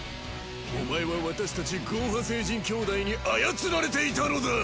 お前は私たちゴーハ星人兄弟に操られていたのだ。